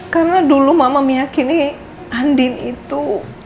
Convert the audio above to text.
karena dulu mama meyakini andin itu